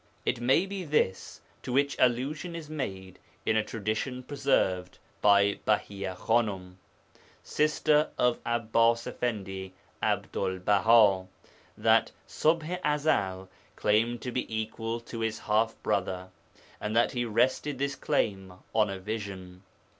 It may be this to which allusion is made in a tradition preserved by Behîah Khanum, sister of Abbas Effendi Abdul Baha, that Ṣubḥ i Ezel claimed to be equal to his half brother, and that he rested this claim on a vision.